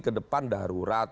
ke depan darurat